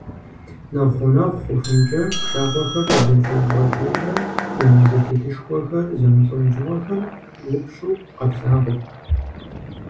Нэхъ гъунэгъу хъухункӏэ, пшагъуэр зэкӏэщӏэкӏыурэ, унэ зэтетышхуэхэ зэмылӏэужьыгъуэхэр упщӏу къэплъагъурт.